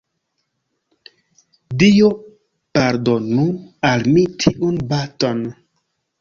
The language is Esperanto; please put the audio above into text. Dio pardonu al mi tiun baton!